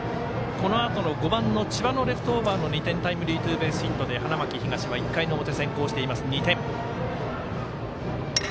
このあとの５番の千葉のレフトオーバーの２点タイムリーツーベースヒットで花巻東は１回の表先行しています、２点。